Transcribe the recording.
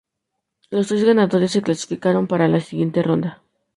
Los tres ganadores se clasificaron para la siguiente ronda.